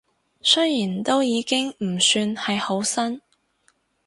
雖然都已經唔算係好新